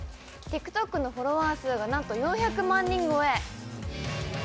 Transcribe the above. ＴｉｋＴｏｋのフォロワー数がなんと４００万人超え。